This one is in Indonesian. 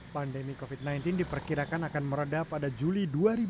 pandemi covid sembilan belas diperkirakan akan meredah pada juli dua ribu dua puluh